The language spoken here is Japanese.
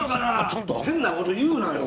ちょっと変なこと言うなよ